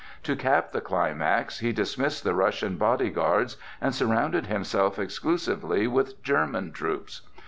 To cap the climax, he dismissed the Russian body guards and surrounded himself exclusively with German troops.